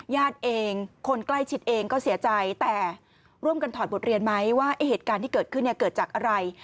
ญาติเองคนใกล้ชิดเองก็เสียใจแต่ร่วมกันถอดบทเรียนไหมว่าเหตุการณ์ที่เกิดขึ้นเกิดจากอะไร